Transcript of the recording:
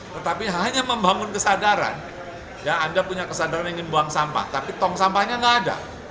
tetapi hanya membangun kesadaran ya anda punya kesadaran ingin buang sampah tapi tong sampahnya nggak ada